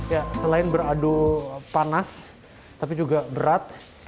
ya selain beradu panas tapi juga berat